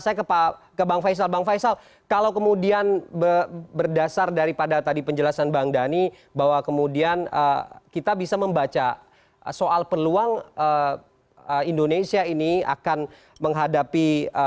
saya ke bang faisal bang faisal kalau kemudian berdasar daripada tadi penjelasan bang dhani bahwa kemudian kita bisa membaca soal peluang indonesia ini akan menghadapi